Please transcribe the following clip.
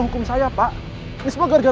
menurut gue ini tidak harus rowughanamer